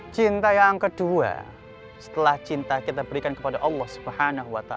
cinta yang kedua setelah cinta kita berikan kepada allah swt